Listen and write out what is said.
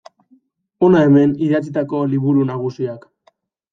Hona hemen idatzitako liburu nagusiak.